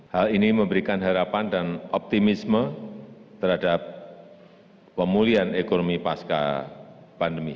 hal ini memberikan harapan dan optimisme terhadap pemulihan ekonomi pasca pandemi